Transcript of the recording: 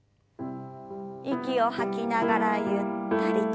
息を吐きながらゆったりと。